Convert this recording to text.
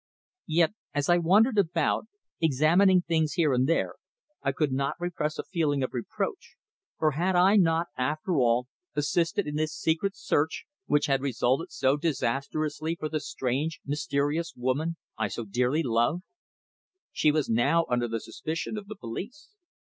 Yet, as I wandered about, examining things here and there, I could not repress a feeling of reproach, for had I not, after all, assisted in this secret search which had resulted so disastrously for the strange, mysterious woman I so dearly loved? She was now under the suspicion of the police.